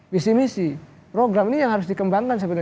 visi misi program ini yang harus dikembangkan sebenarnya